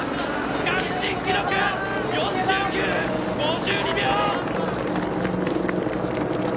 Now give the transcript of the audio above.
区間新記録、４９分５２秒！